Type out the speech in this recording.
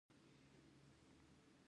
سږي وینه پاکوي.